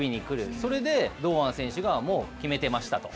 それで堂安選手がもう決めてましたと。